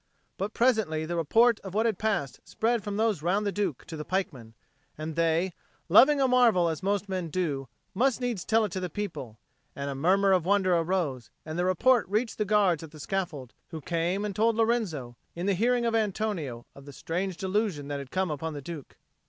But presently the report of what had passed spread from those round the Duke to the pikemen, and they, loving a marvel as most men do, must needs tell it to the people, and a murmur of wonder arose, and the report reached the guards at the scaffold, who came and told Lorenzo, in the hearing of Antonio, of the strange delusion that had come upon the Duke.